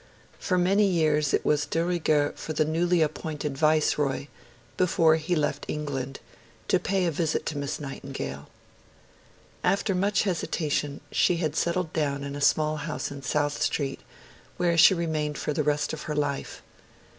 For many years it was de rigueur for the newly appointed Viceroy, before he left England, to pay a visit to Miss Nightingale. After much hesitation, she had settled down in a small house in South Street, where she remained for the rest of her life.